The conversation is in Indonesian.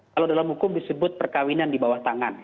kalau dalam hukum disebut perkawinan di bawah tangan